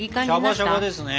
シャバシャバですね。